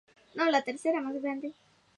Tipo de tracción opcional.